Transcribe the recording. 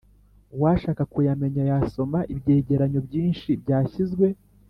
uwashaka kuyamenya yasoma ibyegeranyo byinshi byashyizwe